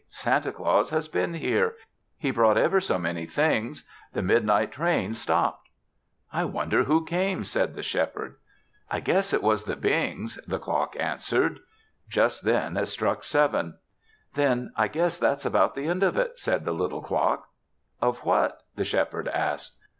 Santa Claus has been here. He brought ever so many things. The midnight train stopped." "I wonder who came," said the Shepherd. "I guess it was the Bings," the clock answered. Just then it struck seven. "There, I guess that's about the end of it," said the little clock. "Of what?" the Shepherd asked.